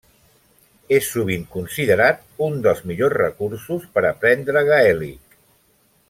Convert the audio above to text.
És sovint considerat un dels millors recursos per aprendre gaèlic.